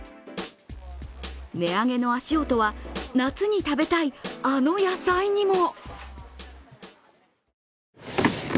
値上げの足音は夏に食べたいあの野菜にも。